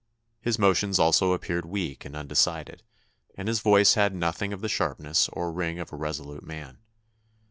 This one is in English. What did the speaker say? His motions also appeared weak and undecided, and his voice had nothing of the sharpness or ring of a resolute man.